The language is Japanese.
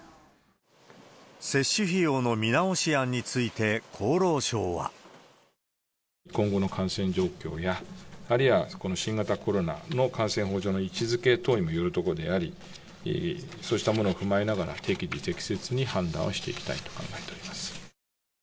接種費用の見直し案について、今後の感染状況や、あるいは、この新型コロナの感染法上の位置づけ等によるところでもあり、そうしたものを踏まえながら、適宜適切に判断をしていきたいと考えております。